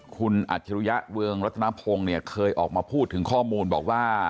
คุณอัจฉริยะเรืองรัตนพงศ์เนี่ยเคยออกมาพูดถึงข้อมูลบอกว่า